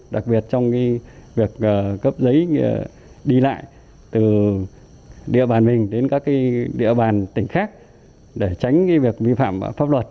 đặc biệt trong việc cấp giấy đi lại từ địa bàn mình đến các địa bàn tỉnh khác để tránh việc vi phạm pháp luật